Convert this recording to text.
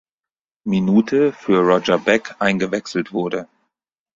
Minute für Roger Beck eingewechselt wurde.